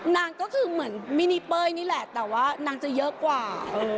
นางก็คือเหมือนมินิเป้ยนี่แหละแต่ว่านางจะเยอะกว่า